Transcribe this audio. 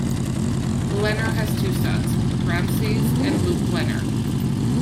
Lehner has two sons, Ramses and Luke Lehner.